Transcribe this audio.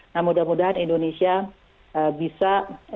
nah mudah mudahan indonesia bisa